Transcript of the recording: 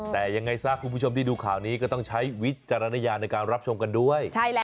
แต่ยังไงซะคุณผู้ชมที่ดูข่าวนี้ก็ต้องใช้วิจารณญาณในการรับชมกันด้วย